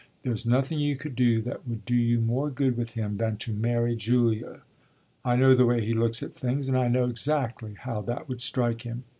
There's nothing you could do that would do you more good with him than to marry Julia. I know the way he looks at things and I know exactly how that would strike him.